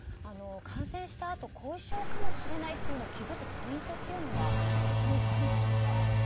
感染したあと後遺症かもしれないと気づくポイントというのは何かあるんでしょうか？